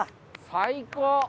最高！